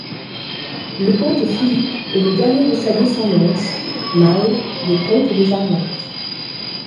Le comte Philippe est le dernier de sa descendance mâle des comtes de Jarnac.